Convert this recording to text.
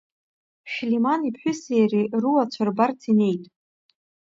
Шәлиман иԥҳәыси иареи руацәа рбарц инеит.